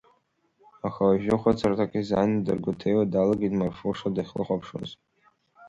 Аха уажәы хәыцырҭак изааины даргәаҭеиуа далагеит Марфуша дахьлыхәаԥшуаз.